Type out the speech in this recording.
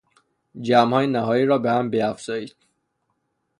جمعهای نهایی را به هم بیافزایید.